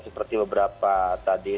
seperti beberapa tadi